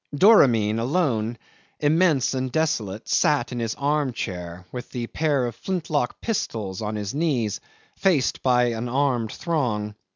'Doramin, alone! immense and desolate, sat in his arm chair with the pair of flintlock pistols on his knees, faced by a armed throng.